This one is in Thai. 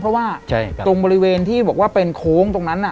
เพราะว่าตรงบริเวณที่บอกว่าเป็นโค้งตรงนั้น